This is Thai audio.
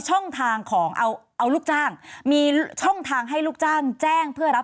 ช่องทางของเอาลูกจ้างมีช่องทางให้ลูกจ้างแจ้งเพื่อรับ